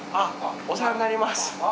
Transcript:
お世話になります。